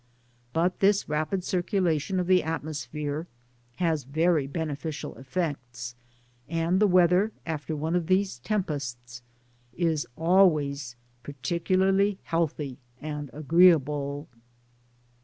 But this rapid circulation of li)e atmosphere has very beneficial effects, and the weather, after one of these tempests, is always particularly healthy and agreeable.